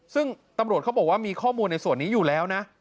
ซึ่งตำรวจเขาบอกว่ามีข้อมูลในส่วนนี้อยู่แล้วนะ